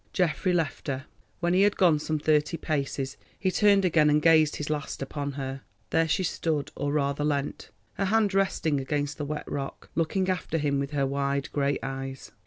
Geoffrey left her. When he had gone some thirty paces he turned again and gazed his last upon her. There she stood or rather leant, her hand resting against the wet rock, looking after him with her wide grey eyes.